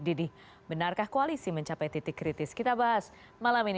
didih benarkah koalisi mencapai titik kritis kita bahas malam ini bersama narasumber ada mbak irma cani